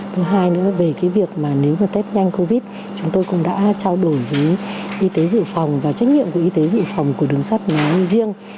thứ hai nữa về cái việc mà nếu mà test nhanh covid chúng tôi cũng đã trao đổi với y tế dự phòng và trách nhiệm của y tế dự phòng của đường sắt nói riêng